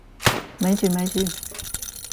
咪住咪住！